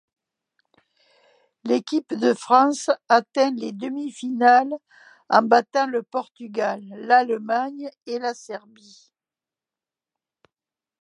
L'équipe de France atteint les demi-finales en battant le Portugal, l'Allemagne et la Serbie.